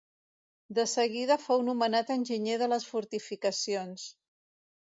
De seguida fou nomenat enginyer de les fortificacions.